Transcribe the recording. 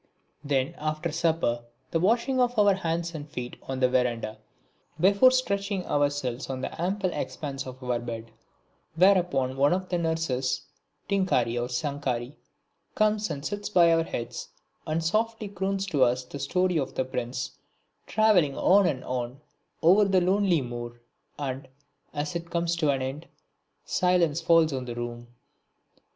Then after our supper, the washing of our hands and feet on the verandah before stretching ourselves on the ample expanse of our bed; whereupon one of the nurses Tinkari or Sankari comes and sits by our heads and softly croons to us the story of the prince travelling on and on over the lonely moor, and, as it comes to an end, silence falls on the room.